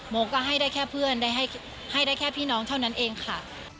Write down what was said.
โมก็ให้ได้แค่เพื่อนได้ให้ได้แค่พี่น้องเท่านั้นเองค่ะ